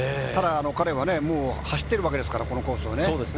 ただ彼はもう走ってるわけですから、このコースを。